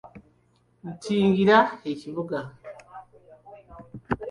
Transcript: Nntingira ekibuga.